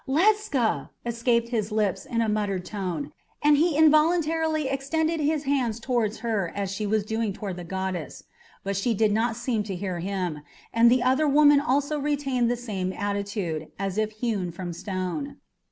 "Ledscha!" escaped his lips in a muttered tone, and he involuntarily extended his hands toward her as she was doing toward the goddess. But she did not seem to hear him, and the other woman also retained the same attitude, as if hewn from stone.